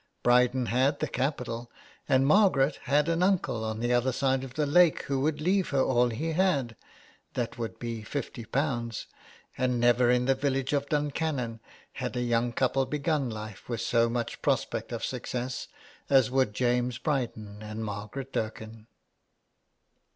Bryden had the capital, and Margaret had an uncle on the other side of the lake who would leave her all he had, that would be fifty pounds, and never in the village of Duncannon had a young couple begun life with so much prospect of success as would James Bryden and Margaret Dirken.